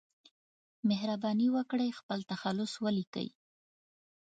مهرباني وکړئ خپل تخلص ولیکئ